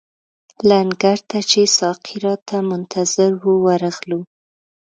لنګر ته چې ساقي راته منتظر وو ورغلو.